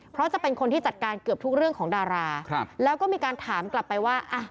เพราะจะเป็นคนที่จัดการเกือบทุกเรื่องของดาราแล้วก็มีการถามกลับไปว่าอ่ะ